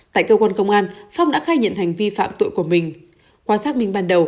tại cơ quan công an phong đã khai nhận hành vi phạm tội của mình